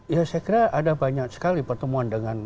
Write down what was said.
ya saya kira ada banyak sekali pertemuan dengan